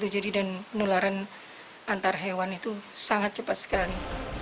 jadi penularan antar hewan itu sangat cepat sekali